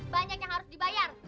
banyak yang harus dibayar